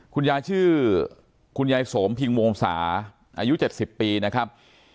คุณยายชื่อคุณยายสมพิงวงศาอายุ๗๐ปีนะครับ